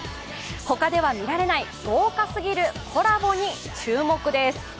他では見られない豪華すぎるコラボに注目です。